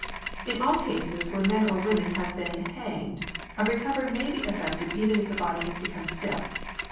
*' In all cases where men or women have been hanged, a recovery may be effected even if the body has become stiff.